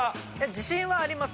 自信はあります。